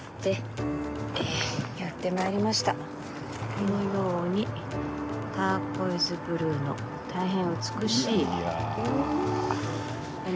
このようにターコイズブルーの大変美しい湖面を誇ります。